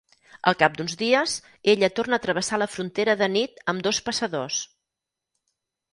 Al cap d'uns dies, ella torna a travessar la frontera de nit amb dos passadors.